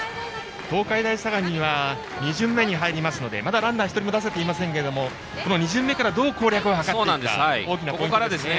東海大相模は２巡目に入りますのでまだランナーは１人も出せていませんが２巡目からどう攻略を図っていくか大きなポイントですね。